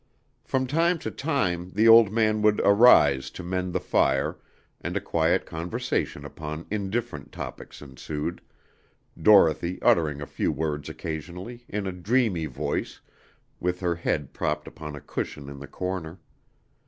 From time to time the old man would arise to mend the fire, and a quiet conversation upon indifferent topics ensued, Dorothy uttering a few words occasionally, in a dreamy voice, with her head propped upon a cushion in the corner.